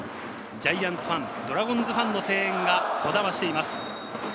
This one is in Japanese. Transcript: ジャイアンツファン、ドラゴンズファンの声援がこだましています。